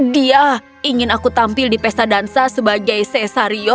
dia ingin aku tampil di pesta dansa sebagai cesario